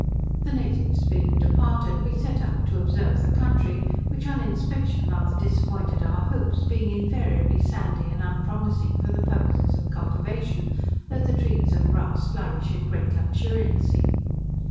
The natives being departed, we set out to observe the country, which, on inspection, rather disappointed our hopes, being invariably sandy and unpromising for the purposes of cultivation, though the trees and grass flourish in great luxuriancy.